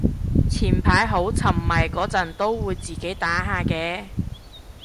前排好沉迷嗰陣都會自己打下嘅